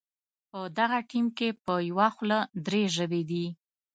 په دغه ټیم کې په یوه خوله درې ژبې دي.